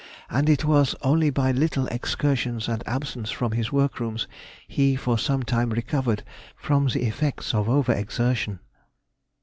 And it was only by little excursions and absence from his workrooms, he for some time recovered from the effects of over exertion.